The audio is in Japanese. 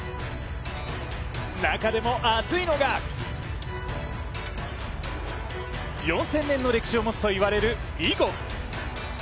中でも、熱いのが４０００年の歴史を持つといわれる囲碁。